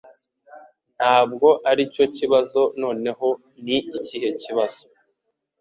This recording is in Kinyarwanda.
Ntabwo aricyo kibazo Noneho ni ikihe kibazo